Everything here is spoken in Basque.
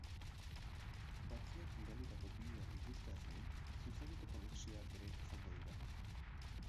Batzuek bidalitako bideoak ikusteaz gain, zuzeneko konexioak ere izango dira.